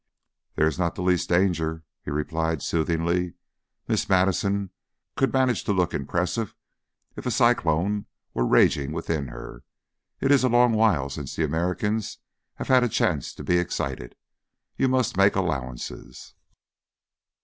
"There is not the least danger," he replied soothingly. "Miss Madison could manage to look impassive if a cyclone were raging within her. It is a long while since the Americans have had a chance to be excited. You must make allowances."